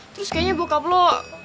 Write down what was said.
terus kayaknya bokap lo